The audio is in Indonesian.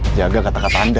siaga kata ketat anda